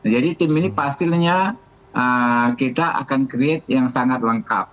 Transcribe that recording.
jadi tim ini pastinya kita akan create yang sangat lengkap